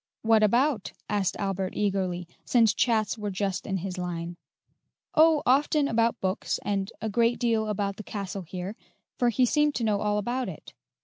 "What about?" asked Albert eagerly, since chats were just in his line. "Oh, often about books, and a great deal about the castle here, for he seemed to know all about it.